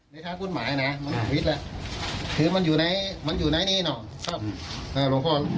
ในทางคุณหมายน่ะมันฮิตแล้วคือมันอยู่ไหนมันอยู่ไหนเนี่ยน่ะครับ